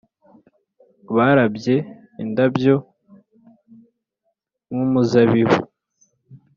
barabye indabyo nk’umuzabibu,